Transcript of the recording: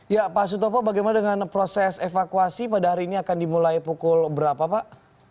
ya pak sutopo bagaimana dengan proses evakuasi pada hari ini akan dimulai pukul berapa pak